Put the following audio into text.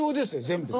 全部。